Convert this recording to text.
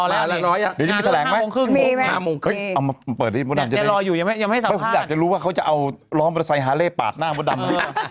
เดี๋ยวจะมีแถลงไหม๕โมงครึ่งเอามาเปิดนี่บ๊วยดำจะได้อยากจะรู้ว่าเขาจะเอาร้องมอเตอร์ไซค์ฮาเล่ปากหน้าบ๊วยดำ